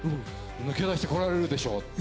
抜け出してこられるでしょって。